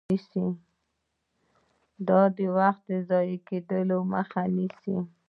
دا د وخت د ضایع کیدو مخه نیسي.